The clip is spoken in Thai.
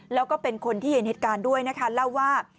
แล้วก็เป็นคนที่เห็นเหตุการณ์ด้วยนะคะเล่าว่า